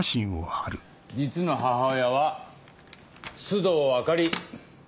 実の母親は須藤あかり。